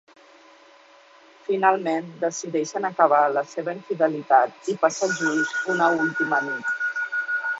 Finalment decideixen acabar la seva infidelitat i passar junts una última nit.